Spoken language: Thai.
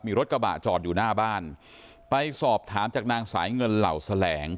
มีรถกระบะจอดอยู่หน้าบ้านไปสอบถามจากนางสายเงินเหล่าแสลง